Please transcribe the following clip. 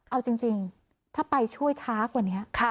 เอาจริงถ้าไปช่วยช้ากว่านี้